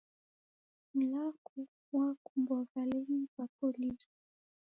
Mlaku wakumbwa valenyi va polisi